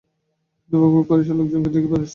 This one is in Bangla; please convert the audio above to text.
শুধু বকবক করিস আর লোকজনকে দেখিয়ে বেড়াস।